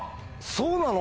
そうなの？